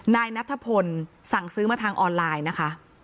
นายนัทพลสั่งซื้อมาทางออนไลน์นะคะ